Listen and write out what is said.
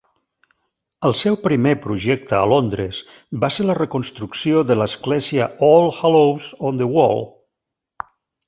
El seu primer projecte a Londres va ser la reconstrucció de l'església All Hallows-on-the-Wall.